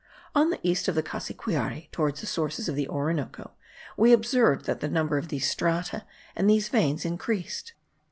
On the east of the Cassiquiare towards the sources of the Orinoco, we observed that the number of these strata and these veins increased.